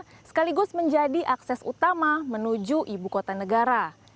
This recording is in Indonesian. yang sekaligus menjadi akses utama menuju ibu kota negara